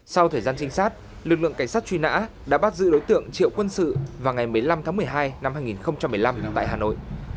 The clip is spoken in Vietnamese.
sau thời gian trinh sát lực lượng cảnh sát truy nã đã bắt giữ đối tượng triệu quân sự vào ngày một mươi năm tháng một mươi hai năm hai nghìn một mươi năm tại hà nội